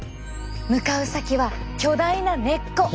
向かう先は巨大な根っこ。